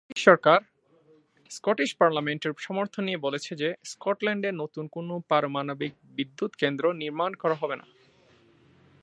Scottish সরকার, Scottish পার্লামেন্টের সমর্থন নিয়ে বলেছে যে স্কটল্যান্ডে নতুন কোন পারমাণবিক বিদ্যুৎ কেন্দ্র নির্মাণ করা হবে না।